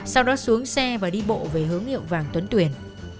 sau đó xuống xe và đi bộ về hướng hiệu vàng tuấn tuyền